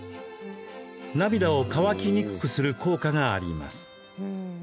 涙を乾きにくくする効果があります。